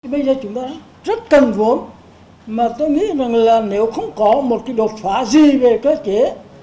bây giờ chúng ta rất cần vốn mà tôi nghĩ rằng là nếu không có một cái đột phá gì về cơ chế